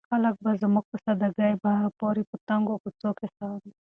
خلک به زموږ په دې ساده ګۍ پورې په تنګو کوڅو کې خاندي.